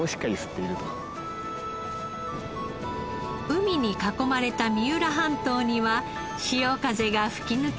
海に囲まれた三浦半島には潮風が吹き抜けます。